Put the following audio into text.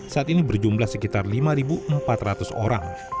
saat ini berjumlah sekitar lima empat ratus orang